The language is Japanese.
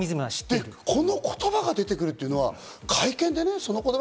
この言葉が出てくるっていうのは、会見でね。